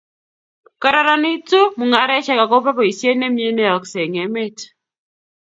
kararanitu mung'aresiek akobo boiset ne mie ne yooksei eng emet.